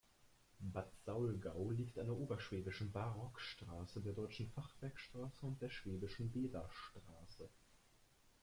Bad Saulgau liegt an der Oberschwäbischen Barockstraße, der Deutschen Fachwerkstraße und der Schwäbischen Bäderstraße.